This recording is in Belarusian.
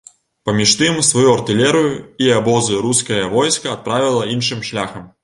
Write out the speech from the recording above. Паміж тым, сваю артылерыю і абозы рускае войска адправіла іншым шляхам.